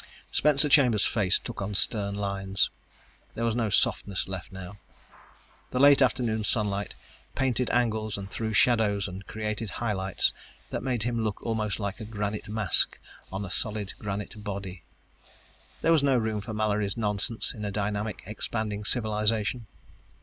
Spencer Chambers' face took on stern lines. There was no softness left now. The late afternoon sunlight painted angles and threw shadows and created highlights that made him look almost like a granite mask on a solid granite body. There was no room for Mallory's nonsense in a dynamic, expanding civilization.